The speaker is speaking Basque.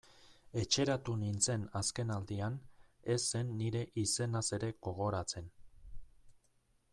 Etxeratu nintzen azken aldian, ez zen nire izenaz ere gogoratzen...